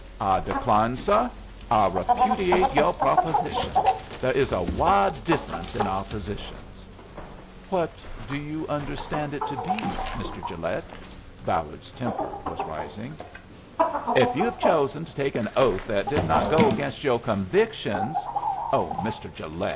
"I decline, suh. I repudiate yoh proposition. There is a wide difference in our positions." "What do you understand it to be, Mr. Gilet?" Ballard's temper was rising. "If you have chosen to take an oath that did not go against yoh convictions " "Oh, Mr. Gilet!"